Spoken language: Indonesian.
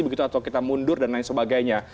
begitu atau kita mundur dan lain sebagainya